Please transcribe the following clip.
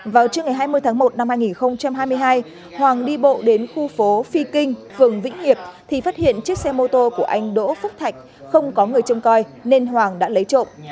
vào trưa ngày hai mươi tháng một năm hai nghìn hai mươi hai hoàng đi bộ đến khu phố phi kinh phường vĩnh hiệp thì phát hiện chiếc xe mô tô của anh đỗ phúc thạch không có người trông coi nên hoàng đã lấy trộm